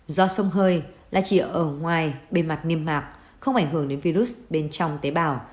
do sông hơi là chỉ ở ngoài bề mặt nghiêm mạc không ảnh hưởng đến virus bên trong tế bào